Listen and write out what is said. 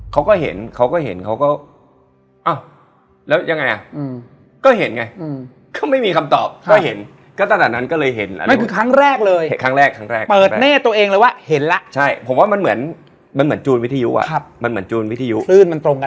เราอยู่ในบ้านเขาแล้วไหว้ขอเขาหรือยัง